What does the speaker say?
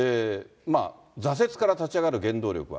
挫折から立ち上がる原動力は？